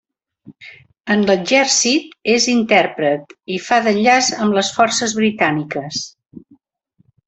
En l'exèrcit és intèrpret i fa d'enllaç amb les forces britàniques.